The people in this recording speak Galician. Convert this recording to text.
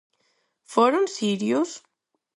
Foron sirios?